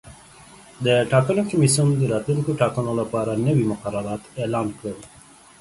د ټاکنو کمیسیون د راتلونکو ټاکنو لپاره نوي مقررات اعلان کړل.